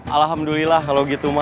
alhamdulillah kalau gitu ma